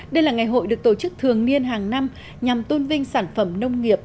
đây là ngày hội được tổ chức thường niên hàng năm nhằm tôn vinh sản phẩm nông nghiệp